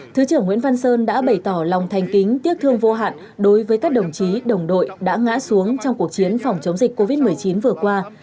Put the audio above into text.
thứ trưởng nguyễn văn sơn đã bày tỏ lòng thành kính tiếc thương vô hạn đối với các đồng chí đồng đội đã ngã xuống trong cuộc chiến phòng chống dịch covid một mươi chín vừa qua